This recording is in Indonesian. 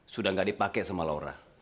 sudah ga dipake sama laura